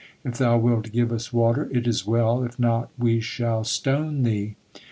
If thou wilt give us water, it is well, if not, we shall stone thee."